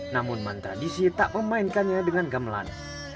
namun mantradisi tak memainkannya dengan gamelan